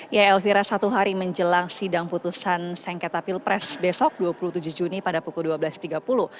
ya elvira satu hari menjelang sidang putusan sengketa pilpres besok dua puluh tujuh juni pada pukul dua belas tiga puluh